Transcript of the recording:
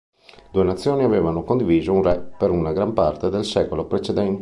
Le due nazioni avevano condiviso un re per una gran parte del secolo precedente.